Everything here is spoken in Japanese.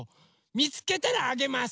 みつけたらあげます！